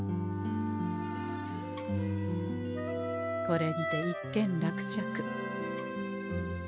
これにて一件落着。